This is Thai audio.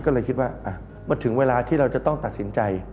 ก็เลยคิดว่ามันถึงเวลาที่เราจะต้องตัดสินใจ